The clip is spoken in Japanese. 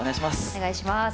お願いします。